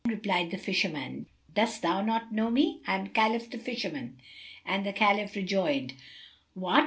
Replied the fisherman, "Dost thou not know me? I am Khalif the Fisherman;" and the Caliph rejoined, "What?